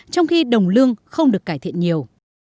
trong khi đồng lương không được cải thiện nhiều